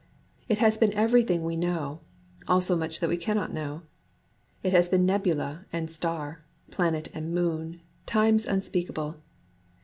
It has been everything we know ; also much that we cannot know. It has been nebula and star, planet and moon, times unspeakable.